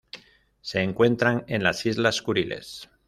Se encuentran en las Islas Kuriles.